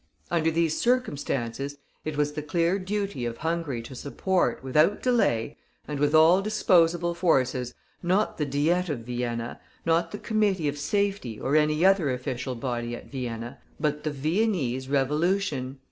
Under these circumstances it was the clear duty of Hungary to support, without delay, and with all disposable forces, not the Diet of Vienna, not the Committee of Safety or any other official body at Vienna, but the Viennese revolution.